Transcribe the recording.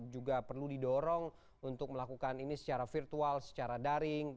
juga perlu didorong untuk melakukan ini secara virtual secara daring